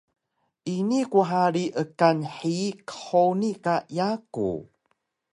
Ini ku hari ekan hiyi qhuni ka yaku